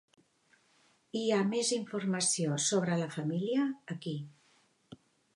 Hi ha més informació sobre la família aquí.